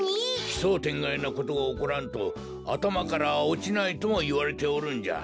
奇想天外なことがおこらんとあたまからおちないともいわれておるんじゃ。